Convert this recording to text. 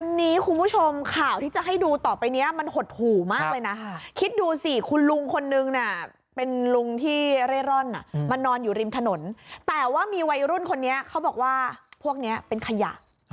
วันนี้คุณผู้ชมข่าวที่จะให้ดูต่อไปเนี้ยมันหดหู่มากเลยนะคิดดูสิคุณลุงคนนึงเนี่ยเป็นลุงที่เร่ร่อนมานอนอยู่ริมถนนแต่ว่ามีวัยรุ่นคนนี้เขาบอกว่าพวกนี้เป็นขยะ